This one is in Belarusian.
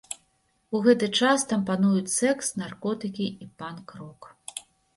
У гэты час там пануюць сэкс, наркотыкі і панк-рок.